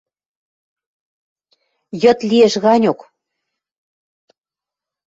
Йыд лиэш ганьок...